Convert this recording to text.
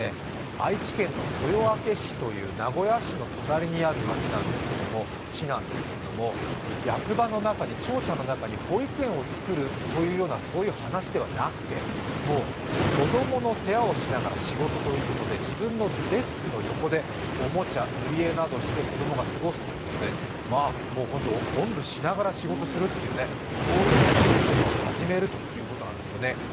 愛知県の豊明市という名古屋市の隣にある市なんですが役場の中に庁舎の中に保育園を作るという話ではなくてもう子供の世話をしながら仕事ということで自分のデスクの横でおもちゃ塗り絵などをして子供が過ごすということで、本当、おんぶしながら仕事するという、そういうシステムを始めるということなんですね。